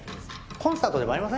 コンサートでもありません？